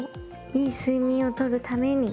いい睡眠を取るために。